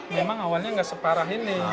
memang awalnya nggak separah ini